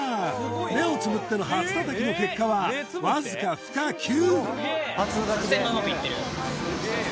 目をつむっての初叩きの結果はわずか不可９！